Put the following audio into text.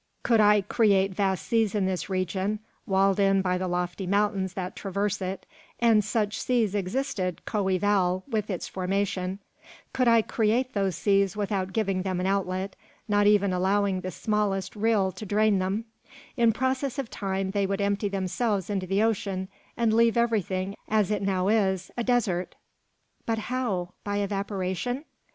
"Could I create vast seas in this region, walled in by the lofty mountains that traverse it and such seas existed coeval with its formation; could I create those seas without giving them an outlet, not even allowing the smallest rill to drain them, in process of time they would empty themselves into the ocean, and leave everything as it now is, a desert." "But how? by evaporation?"